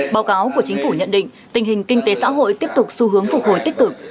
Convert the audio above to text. báo cáo của chính phủ nhận định tình hình kinh tế xã hội tiếp tục xu hướng phục hồi tích cực